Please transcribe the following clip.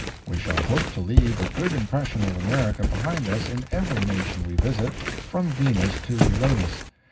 We shall hope to leave a good impression of America behind us in every nation we visit, from Venus to Uranus.